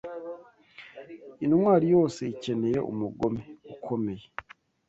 Intwari yose ikeneye umugome ukomeye